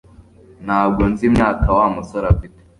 Ntabwo nzi imyaka Wa musore afite